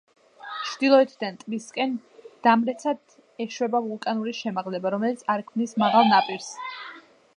ჩრდილოეთიდან ტბისკენ დამრეცად ეშვება ვულკანური შემაღლება, რომელიც არ ქმნის მაღალ ნაპირს.